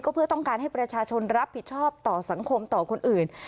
เพื่อต้องการให้ประชาชนรับผิดชอบต่อสังคมต่อคนอื่น